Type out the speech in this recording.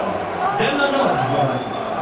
「旦那のを食べます」。